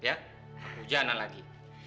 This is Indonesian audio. tak hujanan lagi